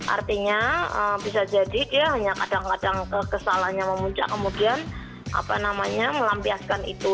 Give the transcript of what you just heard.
artinya bisa jadi dia hanya kadang kadang kesalahannya memuncak kemudian melampiaskan itu